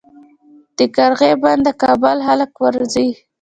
د قرغې بند د کابل خلک ورځي